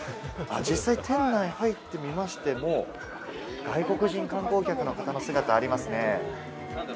実際、店内に入ってみましても、外国人観光客の方の姿がありますね。